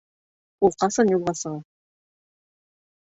Ул ҡасан юлға сыға?